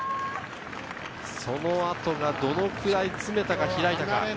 そのあとがどのくらい詰めたか、開いたか。